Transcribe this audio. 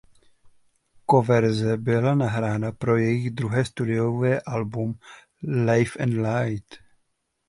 Coververze byla nahrána pro jejich druhé studiové album "Leave a Light".